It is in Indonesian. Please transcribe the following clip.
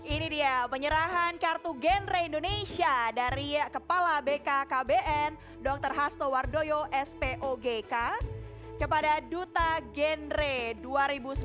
ini dia penyerahan kartu genre indonesia dari kepala bkkbn dr hasto wardoyo spogk kepada duta genre dua ribu sembilan belas